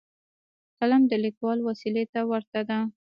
قلم د لیکوال وسلې ته ورته دی.